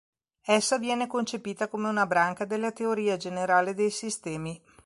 Essa viene concepita come una branca della teoria generale dei sistemi.